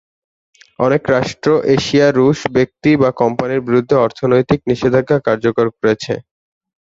অনেক রাষ্ট্র রাশিয়া, রুশ ব্যক্তি বা কোম্পানির বিরুদ্ধে অর্থনৈতিক নিষেধাজ্ঞা কার্যকর করেছে।